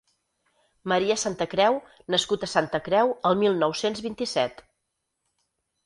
Maria Santacreu, nascut a Santa Creu el mil nou-cents vint-i-set.